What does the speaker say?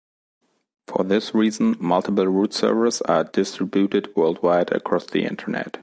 For this reason, multiple root servers are distributed worldwide across the Internet.